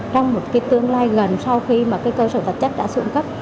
trong một tương lai gần sau khi cơ sở vật chất đã sử dụng cấp